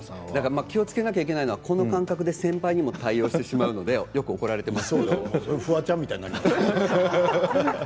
気をつけなきゃいけないのがこの感覚で先輩に対応してしまうのでよく怒られています。